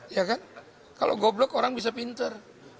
ya kan kalau goblok orang bisa pinter